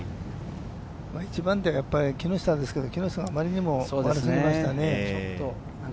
１番手は木下だったんですけど、あまりにも悪すぎましたね。